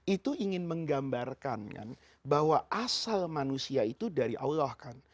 itu ingin menggambarkan bahwa asal manusia itu dari allah kan